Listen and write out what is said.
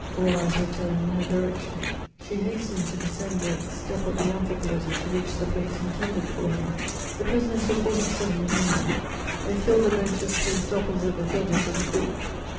All eyes were turned in her direction; she hastened to descend the steps of the amphitheatre to reach the place intended for her. The prisoners were forty seven in number; they filled the benches placed opposite the judges of the court.